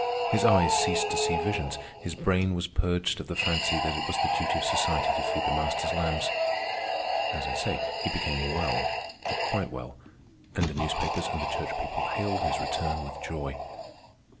His eyes ceased to see visions; his brain was purged of the fancy that it was the duty of society to feed the Master's lambs. As I say, he became well, quite well, and the newspapers and the church people hailed his return with joy.